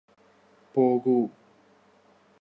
പോകു